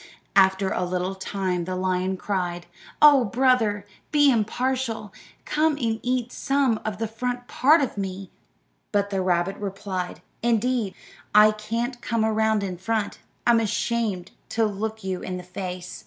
After a little time the lion cried, "Oh, brother, be impartial; come and eat some of the front part of me." But the rabbit replied, "Indeed, I can't come around in front; I'm ashamed to look you in the face."